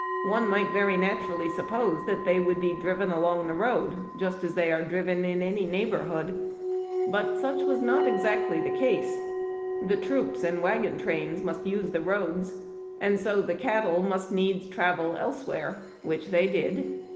One might very naturally suppose that they would be driven along the road just as they are driven in any neighborhood ; but such was not exactly the case. Tlie troops and trains must use the roads, and so the cattle must needs travel elsewhere, which they did.